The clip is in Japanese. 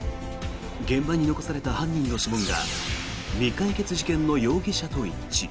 現場に残された犯人の指紋が未解決事件の容疑者と一致。